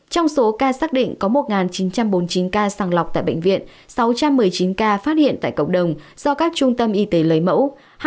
trong số ca xác định có một chín trăm bốn mươi chín ca sàng lọc tại bệnh viện sáu trăm một mươi chín ca phát hiện tại cộng đồng do các trung tâm y tế lấy mẫu